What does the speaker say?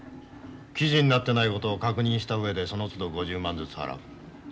記事になってないことを確認した上でそのつど５０万ずつ払う。